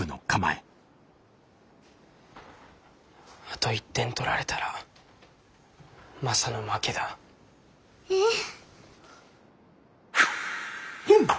あと１点取られたらマサの負けだ。え？